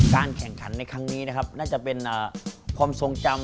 การแข่งขันในครั้งนี้นะครับน่าจะเป็นความทรงจำ